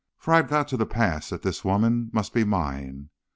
For I had got to the pass that this woman must be mine.